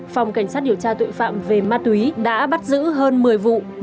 phòng cảnh sát điều tra tội phạm về ma túy đã bắt giữ hơn một mươi vụ